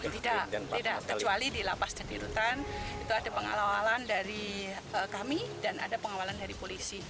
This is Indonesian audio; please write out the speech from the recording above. tidak tidak kecuali di lapas dan di rutan itu ada pengawalan dari kami dan ada pengawalan dari polisi